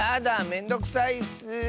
めんどくさいッス。